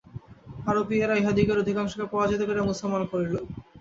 আরবীয়েরা ইহাদিগের অধিকাংশকে পরাজিত করিয়া মুসলমান করিল।